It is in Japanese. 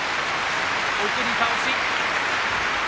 送り倒し。